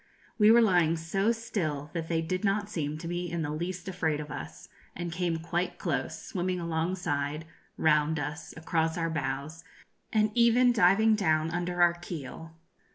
We were lying so still that they did not seem to be in the least afraid of us, and came quite close, swimming alongside, round us, across our bows, and even diving down under our keel.